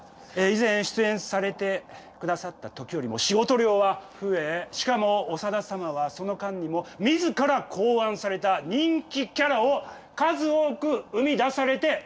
以前出演されてくださったときよりも仕事量は増えしかも長田様はその間にもみずから考案された人気キャラを数多く生み出されております。